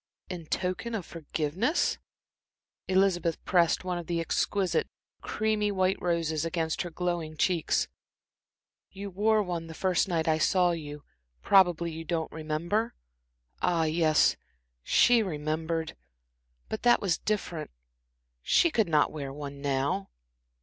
"In token of forgiveness?" Elizabeth pressed one of the exquisite, creamy white roses against her glowing cheeks. "You wore one the first night I saw you probably you don't remember?" Ah, yes, she remembered but that was different. She could not wear one now.